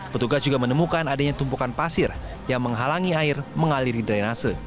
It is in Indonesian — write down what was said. petugas juga menemukan adanya tumpukan pasir yang menghalangi air mengaliri drainase